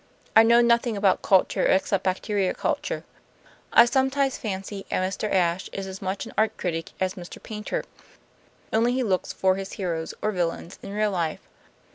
I know nothing about culture, except bacteria culture. I sometimes fancy Mr. Ashe is as much an art critic as Mr. Paynter; only he looks for his heroes, or villains, in real life.